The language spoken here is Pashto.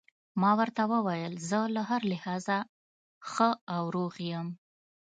ما ورته وویل: زه له هر لحاظه ښه او روغ یم.